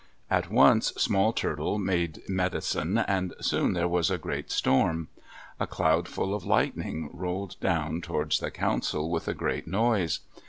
At once Small Turtle made medicine, and soon there was a great storm. A cloud full of lightning rolled down towards the council, with a great noise.